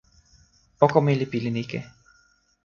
oko mi li pilin ike.